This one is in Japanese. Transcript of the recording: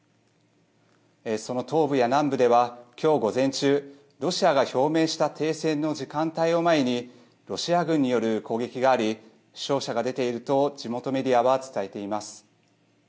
その東部や南部では今日午前中、ロシアが表明した停戦の時間帯を前にロシア軍による攻撃があり死傷者が出ていると地元メディアは伝えています。